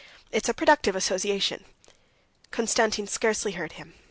It's a productive association...." Konstantin scarcely heard him.